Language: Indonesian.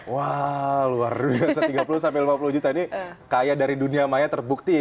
wah luar biasa tiga puluh sampai lima puluh juta ini kaya dari dunia maya terbukti